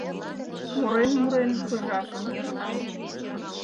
Мурен-мурен пыжашым опта.